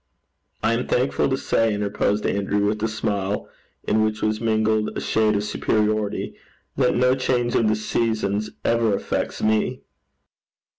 'I am thankful to say,' interposed Andrew, with a smile in which was mingled a shade of superiority, 'that no change of the seasons ever affects me.'